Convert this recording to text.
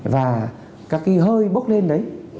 và các cái hơi bốc lên đấy